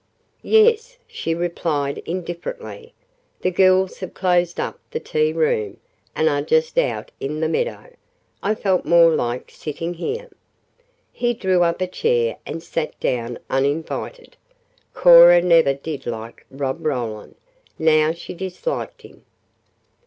"Yes," she replied indifferently, "the girls have closed up the tea room, and are just out in the meadow. I felt more like sitting here." He drew up a chair and sat down uninvited. Cora never did like Rob Roland, now she disliked him.